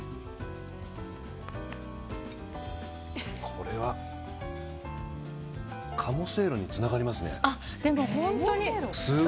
これは鴨せいろにつながりますね。